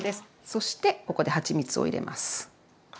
そしてここではちみつを入れます。